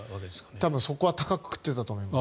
多分、そこはたかをくくっていたと思います。